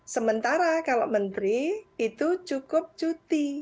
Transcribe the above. sementara kalau menteri itu cukup cuti